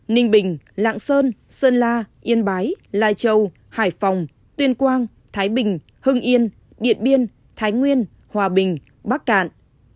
ninh bình lạng sơn sơn la yên bái lai châu hải phòng tuyên quang thái bình hưng yên điện biên thái nguyên hòa bình bắc cạn